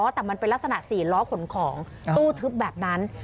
แต่มันเป็นลักษณะ๔ล้อขนของตู้ทึบแบบนั้น